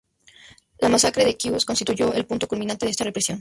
La masacre de Quíos constituyó el punto culminante de esta represión.